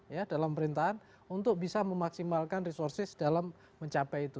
ya dalam perintahan untuk bisa memaksimalkan resources dalam mencapai itu